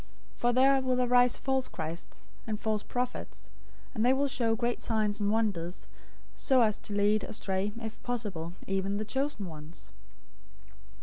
024:024 For there will arise false christs, and false prophets, and they will show great signs and wonders, so as to lead astray, if possible, even the chosen ones.